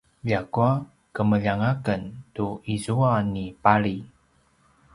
ljakua kemeljang aken tu izua ni pali